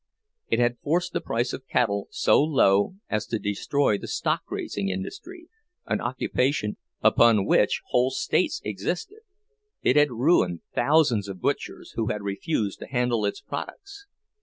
It had forced the price of cattle so low as to destroy the stock raising industry, an occupation upon which whole states existed; it had ruined thousands of butchers who had refused to handle its products.